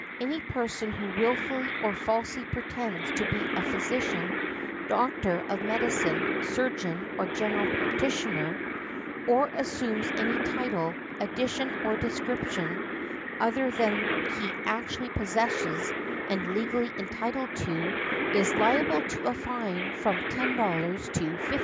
Any person who wilfully or falsely pretends to be a physician, doctor of medicine, surgeon, or general practitioner, or assumes any title, addition or description, other than he actually possesses and is legally entitled to, is liable to a fine of from $10 to $50.